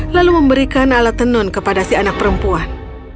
lalu memberikan alat tenun kepada si anak perempuan